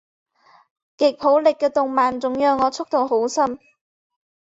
吉卜力的动漫总让我触动很深